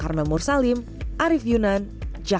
karena itu kita harus memiliki lapangan yang cukup